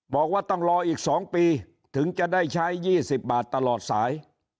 บอกว่าต้องรออีก๒ปีถึงจะได้ใช้๒๐บาทตลอดสาย